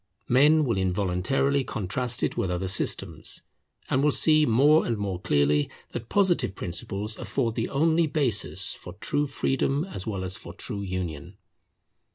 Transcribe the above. Men will involuntarily contrast it with other systems, and will see more and more clearly that Positive principles afford the only basis for true freedom as well as for true union.